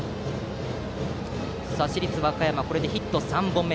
市立和歌山はこれでヒット３本目。